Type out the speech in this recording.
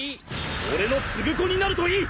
俺の継子になるといい！